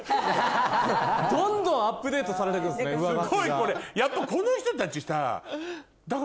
どんどんアップデートされて行くんですね上書きが。